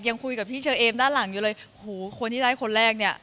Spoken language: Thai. ยังคุยกับพี่เชอเอมด้านหลังอยู่เลยโหคนที่ได้คนแรกเนี่ย